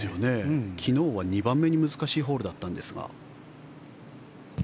昨日は２番目に難しいホールだったんですが。